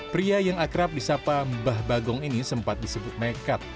pria yang akrab di sapa mbah bagong ini sempat disebut nekat